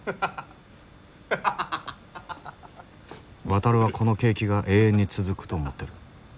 ワタルはこの景気が永遠に続くと思ってる。